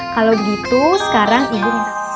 kalau begitu sekarang ibu